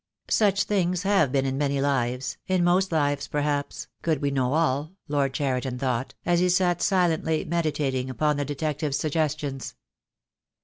Such things have been in many lives, in most lives, perhaps, could we know all, Lord Cheriton thought, as he sat silently meditating upon the detective's suggestions.